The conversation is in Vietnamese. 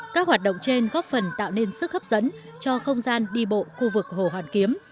các hoạt động trên góp phần tạo nên sức hấp dẫn cho không gian đi bộ khu vực hồ hoàn kiếm